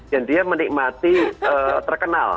dan dia menikmati terkenal